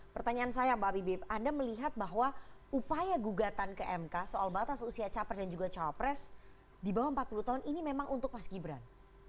pertanyaan saya mbak bibip anda melihat bahwa upaya gugatan ke mk soal batas usia capres dan juga cawapres di bawah empat puluh tahun ini memang untuk mas gibran